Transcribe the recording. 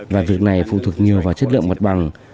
và việc này phụ thuộc nhiều vào chất lượng mặt bằng